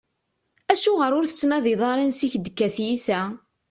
Acuɣeṛ ur tettnadiḍ ara ansa i ak-d-tekka tyita?